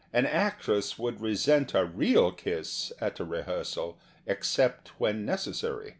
An actress would resent a real kiss at a rehearsal except when necessary.